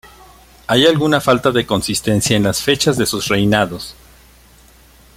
Hay alguna falta de consistencia en las fechas de sus reinados.